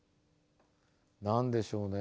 何でしょうね。